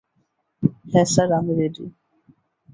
হ্যাঁ স্যার, আমি রেডি।